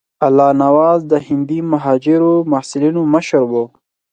الله نواز د هندي مهاجرو محصلینو مشر وو.